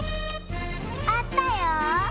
あったよ。